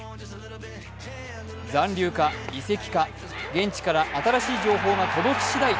残留か、移籍か現地から新しい情報が届きしだい